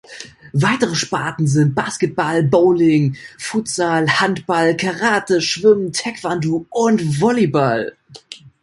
Weitere Sparten sind Basketball, Bowling, Futsal, Handball, Karate, Schwimmen, Taekwondo und Volleyball.